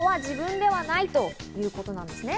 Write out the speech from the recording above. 加工は自分ではないということなんですね。